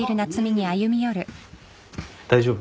大丈夫？